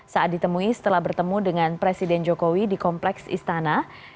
saat ditemui setelah bertemu dengan presiden jokowi di kompleks istana